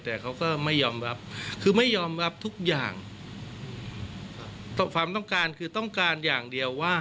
แต่เขาก็ไม่ยอมรับคือไม่ยอมรับทุกอย่างความต้องการคือต้องการอย่างเดียวว่า